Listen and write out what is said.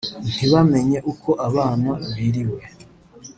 ntibamenye uko abana biriwe